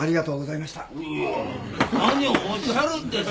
いやいや何をおっしゃるんですか。